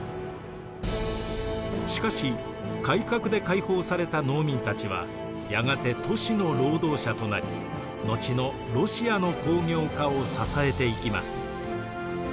しかし改革で解放された農民たちはやがて都市の労働者となり後のロシアの工業化を支えていきます。